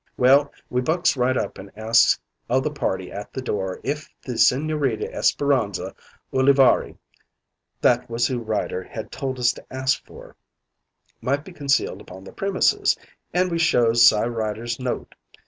"Well, we bucks right up an' asks o' the party at the door if the Sigñorita Esperanza Ulivarri that was who Ryder had told us to ask for might be concealed about the premises, an' we shows Cy Ryder's note.